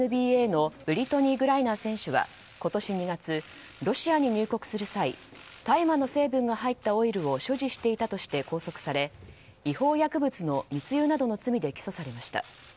ＷＮＢＡのブリトニー・グライナー選手は今年２月、ロシアに入国する際大麻の成分が入ったオイルを所持していたとして拘束され違法薬物の密輸などの罪で起訴されました。